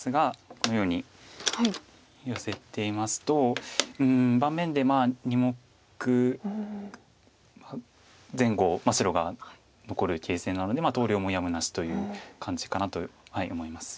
このようにヨセていますと盤面でまあ２目前後白が残る形勢なので投了もやむなしという感じかなと思います。